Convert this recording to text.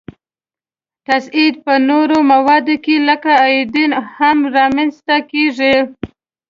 تصعید په نورو موادو کې لکه ایودین هم را منځ ته کیږي.